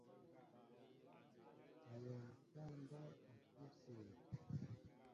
Awém sááŋ ndáw a tí kɔɔ.